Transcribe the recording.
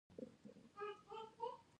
د مقناطیسي ساحې کرښې تړلې حلقې جوړوي.